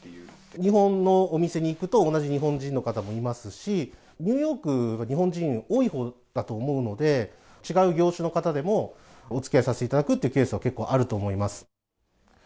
日本のお店に行くと、同じ日本人の方もいますし、ニューヨーク、日本人多い方だと思うので、違う業種の方でもおつきあいさせていただくっていうケースは結構あると思います。